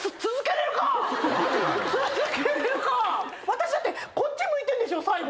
私だってこっち向いてんでしょ最後。